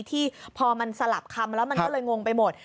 ที่พอมันสลับคำแล้วมันก็เลยงงไปหมด